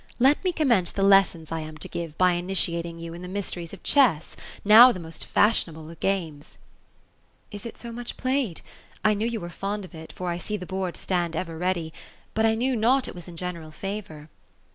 Let me commence the lessons I am to give, b}' initia ting you in the mysteries of chess, — now the most fashionable of games" "■ Is it so much played ? I knew you were fond of it, for I see the board stand ever ready ;— but I knew not it was in general favour."